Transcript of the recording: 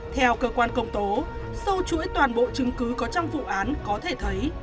theo cơ quan công tố sâu chuỗi toàn bộ chứng cứ có trong vụ án có thể thấy